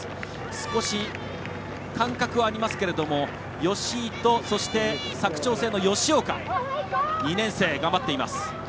少し間隔はありますが吉居、佐久長聖の吉岡２年生、頑張っています。